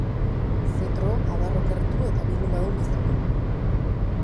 Zetro, adar okertu eta bi lumadun gizona.